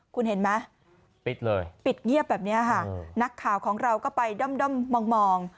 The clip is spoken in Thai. คุณเห็นไหมปิดเลยปิดเงียบแบบนี้ค่ะนักข่าวของเราก็ไปด้อมมอง